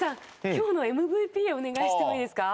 今日のＭＶＰをお願いしてもいいですか？